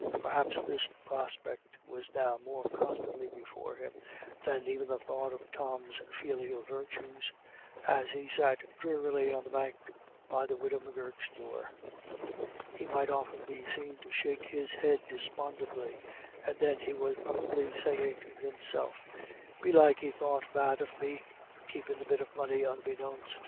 Perhaps this prospect was now more constantly before him than even the thought of Tom's filial virtues, as he sat drearily on the bank by the widow M'Gurk's door. He might often be seen to shake his head despondently, and then he was probably saying to himself: "Belike he thought bad of me, keepin' the bit of money unbeknownst."